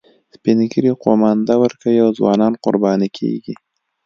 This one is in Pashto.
سپین ږیري قومانده ورکوي او ځوانان قرباني کیږي